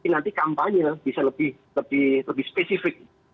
nanti kampanye bisa lebih spesifik